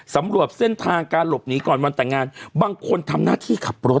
สำรวจเส้นทางการหลบหนีก่อนวันแต่งงานบางคนทำหน้าที่ขับรถ